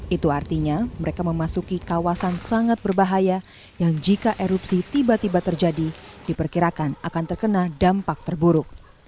itu artinya mereka memasuki kawasan sangat berbahaya yang jika erupsi tiba tiba terjadi diperkirakan akan terkena dampak terburuk